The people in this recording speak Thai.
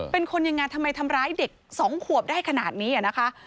เป็นคนยังไงทำไมทำร้ายเด็ก๒ขวบได้ขนาดนี้นะคะ